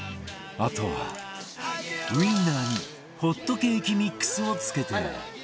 あとはウインナーにホットケーキミックスを付けて揚げれば完成